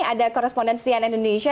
ada koresponden sian indonesia